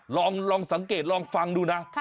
พี่ฝนสังเกตลองฟังดูนะ